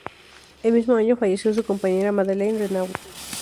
El mismo año falleció su compañera Madeleine Renaud.